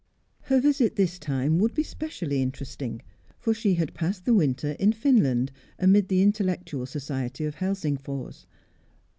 Her visit this time would be specially interesting, for she had passed the winter in Finland, amid the intellectual society of Helsingfors.